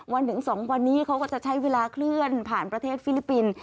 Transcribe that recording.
ถึง๒วันนี้เขาก็จะใช้เวลาเคลื่อนผ่านประเทศฟิลิปปินส์